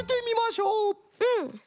うん。